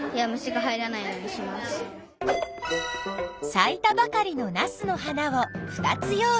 さいたばかりのナスの花を２つ用意。